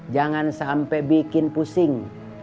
jangan sampai bikin pusing